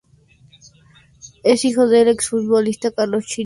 Es hijo del exfutbolista Carlos Chirinos.